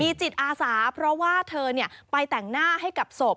จิตอาสาเพราะว่าเธอไปแต่งหน้าให้กับศพ